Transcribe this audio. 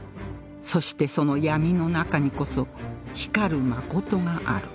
そしてその闇の中にこそ光る真がある